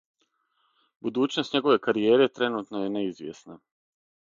Будућност његове каријере тренутно је неизвјесна.